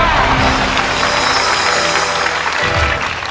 ไม่ใช้ค่ะ